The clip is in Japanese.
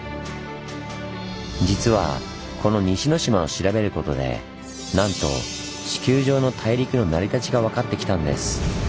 実はこの西之島を調べることでなんと地球上の大陸の成り立ちが分かってきたんです。